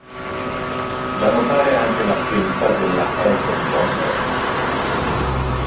Da notare anche l'assenza della Elton John Band.